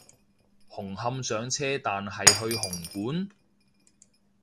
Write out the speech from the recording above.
紅磡上車但係去紅館？